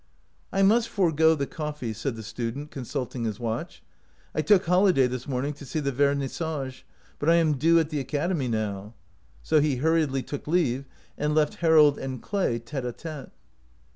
"I must forgo the coffee," said the stu dent, consulting his watch. " I took holiday this morning to see the vernissage, but I am due at the academy now." So he hurriedly took leave, and left Harold and Clay tete a t£te.